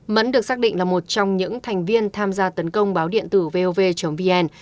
mẫn được xác định là một trong những thành viên tham gia tấn công báo điện tử vov vn